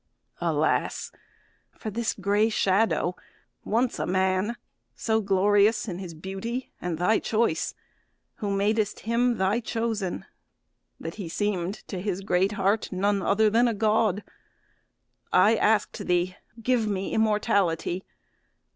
Alas! for this gray shadow, once a man So glorious in his beauty and thy choice, Who madest him thy chosen, that he seem'd To his great heart none other than a God! I ask'd thee, 'Give me immortality.'